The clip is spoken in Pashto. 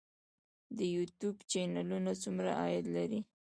د یوټیوب چینلونه څومره عاید لري؟